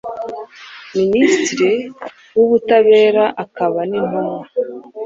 Minisitiri w’Ubutabera akaba n’Intumwa